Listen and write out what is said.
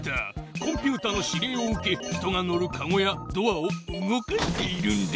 コンピュータの指令を受け人が乗るかごやドアを動かしているんだ。